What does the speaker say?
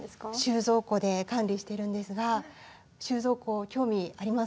収蔵庫で管理してるんですが収蔵庫興味ありますか？